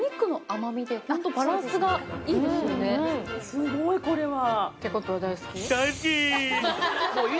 すごい、これは。